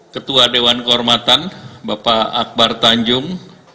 ketua dewan kehormatan bapak akbar tanjung